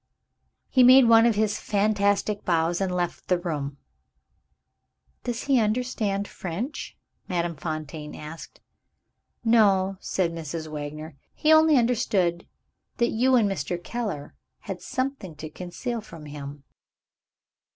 He made one of his fantastic bows, and left the room. "Does he understand French?" Madame Fontaine asked. "No," said Mrs. Wagner; "he only understood that you and Mr. Keller had something to conceal from him."